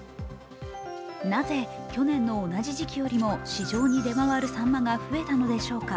なぜ去年の同じ時期よりも市場に出回るさんまが増えたのでしょうか。